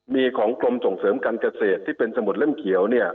มีของกรมส่งเสริมการเกษตรที่เป็นสมุดเล่มเขียวเนี่ย